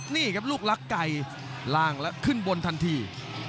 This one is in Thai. นี่ครับลูกรักไก่ล่างแล้วขึ้นบนทันที